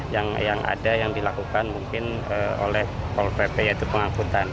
yang ada yang dilakukan mungkin oleh pol pp yaitu pengangkutan